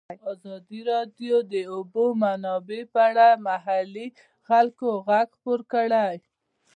ازادي راډیو د د اوبو منابع په اړه د محلي خلکو غږ خپور کړی.